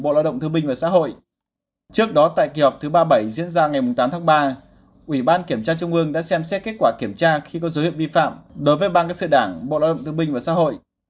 trước đó tại kỳ họp thứ ba mươi bảy diễn ra ngày tám tháng ba ủy ban kiểm tra trung ương đã xem xét kết quả kiểm tra khi có dấu hiệu vi phạm đối với ban cán sự đảng bộ lao động thương binh và xã hội